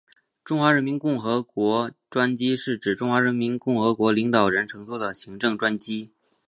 中华人民共和国专机是指中华人民共和国领导人乘坐的行政专机。